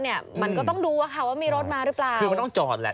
เนี่ยมันก็ต้องดูว่าค่ะว่ามีรถมาหรือเปล่าคือมันต้องจอดแหละ